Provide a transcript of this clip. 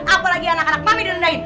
apa lagi anak anak mami direndahin